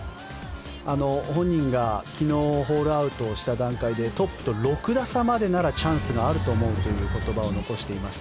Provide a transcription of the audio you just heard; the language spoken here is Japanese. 本人が昨日、ホールアウトした段階でトップと６打差までならチャンスがあると思うという言葉を残していました。